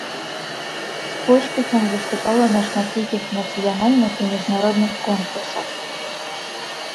З поспехам выступала на шматлікіх нацыянальных і міжнародных конкурсах.